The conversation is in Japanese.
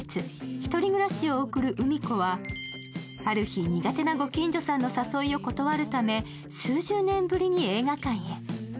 １人暮らしを送るうみ子は、ある日苦手なご近所さんの誘いを断るため数十年ぶりに映画館へ。